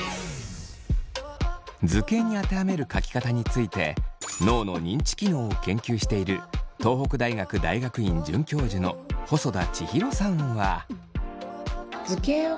図形に当てはめる書き方について脳の認知機能を研究している東北大学大学院准教授の細田千尋さんは。